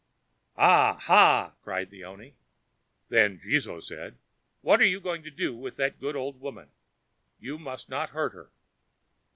_" "Ah! ha!" cried the oni. Then Jizō said: "What are you going to do with that good old woman? You must not hurt her."